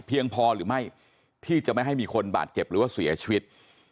พอหรือไม่ที่จะไม่ให้มีคนบาดเจ็บหรือว่าเสียชีวิต